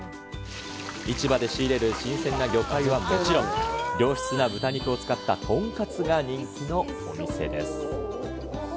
市場で仕入れる新鮮な魚介はもちろん、良質な豚肉を使った豚カツが人気のお店です。